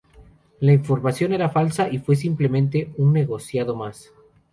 La información era falsa y fue simplemente un negociado más.